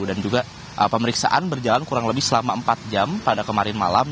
dan juga pemeriksaan berjalan kurang lebih selama empat jam pada kemarin malam